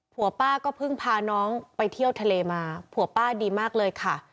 ผัวป้าก็เพิ่งพาน้องไปเที่ยวทะเลมาผัวป้าดีมากเลยค่ะ